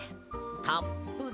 たっぷりと。